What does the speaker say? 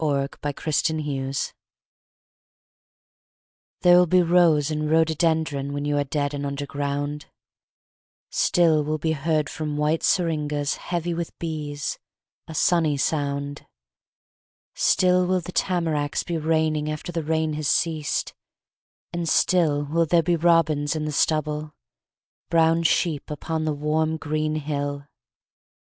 ELEGY BEFORE DEATH There will be rose and rhododendron When you are dead and under ground; Still will be heard from white syringas Heavy with bees, a sunny sound; Still will the tamaracks be raining After the rain has ceased, and still Will there be robins in the stubble, Brown sheep upon the warm green hill.